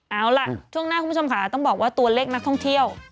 เอาล่ะช่วงหน้าคุณผู้ชมค่ะต้องบอกว่าตัวเลขนักท่องเที่ยว